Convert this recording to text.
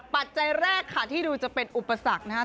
ปัจจัยแรกค่ะที่ดูจะเป็นอุปสรรคนะครับ